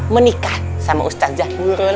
menikah sama ustadz jahurul